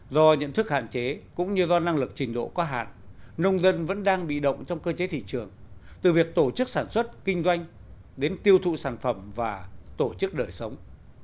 do nhận thức hạn chế cũng như do năng lực trình độ có hạn nông dân vẫn đang bị động trong cơ chế thị trường từ việc tổ chức sản xuất kinh doanh đến tiêu thụ sản phẩm và tổ chức đời sống